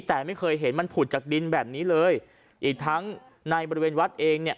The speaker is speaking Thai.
แต่ไม่เคยเห็นมันผุดจากดินแบบนี้เลยอีกทั้งในบริเวณวัดเองเนี่ย